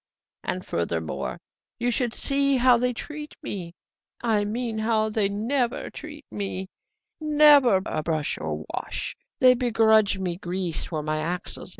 And, furthermore, you should see how they treat me I mean, how they never treat me: never a brush or a wash. They begrudge me grease for my axles.